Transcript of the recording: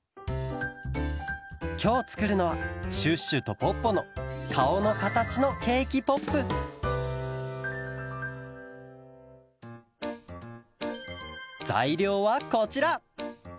きょうつくるのはシュッシュとポッポのかおのかたちのケーキポップざいりょうはこちら！